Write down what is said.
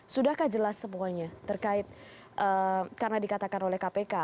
sudahkah jelas semuanya terkait karena dikatakan oleh kpk